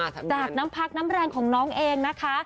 จากน้ำพักน้ำแรงของน้องเองนะคะ